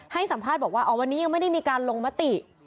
ให้สัมภาษณ์บอกว่าอ๋อวันนี้ยังไม่ได้มีการลงมติ